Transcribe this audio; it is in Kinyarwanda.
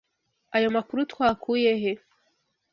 Ayo makuru twakuye he?